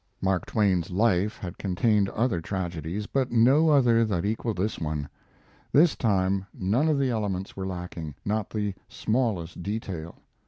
Mark Twain's life had contained other tragedies, but no other that equaled this one. This time none of the elements were lacking not the smallest detail.